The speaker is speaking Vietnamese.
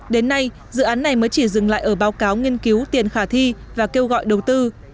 đến nay dự án này mới chỉ dừng lại ở báo cáo nghiên cứu tiền khả thi và kêu gọi đầu tư